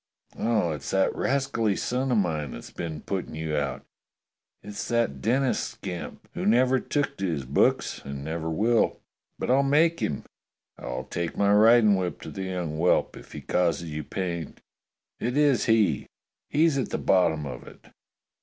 Oh, it's that rascally son of mine that's been putting you out. It's that Denis scamp, who never took to his books and never will. But I'll make him. I'll take my riding whip to the young whelp if he causes you pain. It is he! He's at the bottom of it.